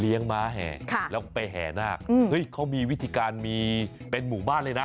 เลี้ยงม้าแห่แล้วไปแห่นาคเขามีวิธีการเป็นหมู่บ้านเลยนะ